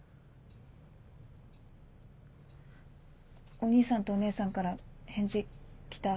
お兄さんとお姉さんから返事来た？